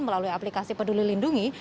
melalui aplikasi peduli lindungi